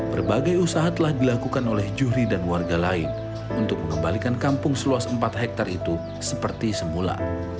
berbagai usaha telah dilakukan oleh juhri dan warga lain untuk mengembalikan kampung seluas empat hektare itu seperti semula